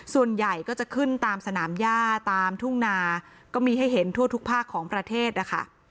ส่วนใหญ่ก็จะขึ้นตามสนามย่าตามทุ่งนาก็มีให้เห็นทั่วทุกภาคของประเทศนะคะ